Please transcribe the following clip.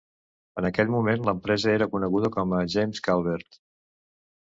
En aquell moment l'empresa era coneguda com a James Calvert.